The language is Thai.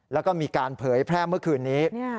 แล้วก็มีการเผยแพร่เมื่อคืนนี้